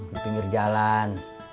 di pinggir jalan